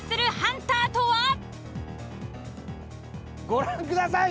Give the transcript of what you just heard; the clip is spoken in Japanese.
ご覧ください。